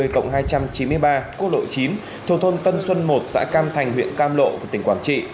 cộng hai trăm chín mươi ba quốc lộ chín thuộc thôn tân xuân một xã cam thành huyện cam lộ của tỉnh quảng trị